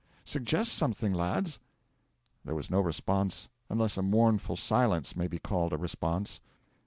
Suggest something, lads." 'There was no response, unless a mournful silence may be called a response.